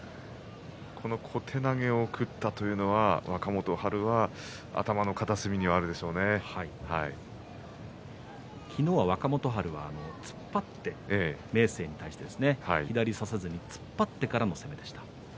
小手投げを食ったというのは若元春は昨日は若元春は突っ張って明生に対してですね左を差さずに突っ張ってからの攻めでした。